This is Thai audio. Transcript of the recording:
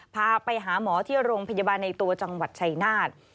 พาไปหาหมอที่โรงพยาบาลในตัวจังหวัดชายนาฏ